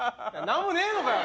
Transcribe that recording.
何もねえのかよ